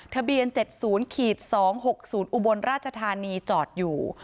ทะเบียน๗๐๒๖๐อุบลราชธานีจอดอยู่